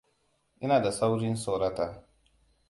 Ina da saurin tsorata.